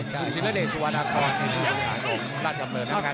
คุณศิลดิสวัสดิ์ค่ะราชภัย